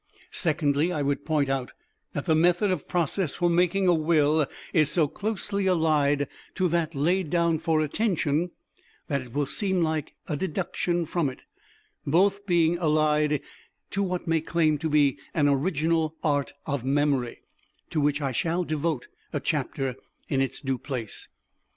Secondly, I would point out that the method of process for making a Will is so closely allied to that laid down for Attention that it will seem like a deduction from it, both being allied to what may claim to be an original Art of Memory, to which I shall devote a chapter in its due place.